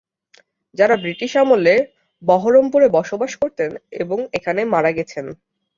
যারা ব্রিটিশ আমলে বহরমপুর বসবাস করতেন এবং এখানে মারা গেছেন।